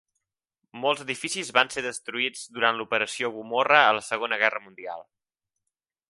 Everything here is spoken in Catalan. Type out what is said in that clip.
Molts edificis van ser destruïts durant l'Operació Gomorra a la segona guerra mundial.